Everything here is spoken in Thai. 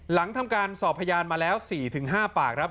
หลังทำการสอบพยานมาแล้ว๔๕ปากครับ